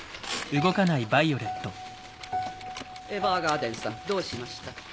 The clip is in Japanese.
エヴァーガーデンさんどうしました？